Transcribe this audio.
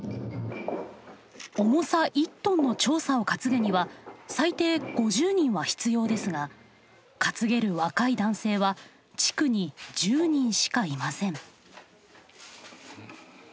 重さ１トンのちょうさを担ぐには最低５０人は必要ですが担げる若い男性は地区に１０人しかいません。